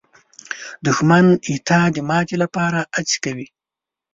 دښمن ستا د ماتې لپاره هڅې کوي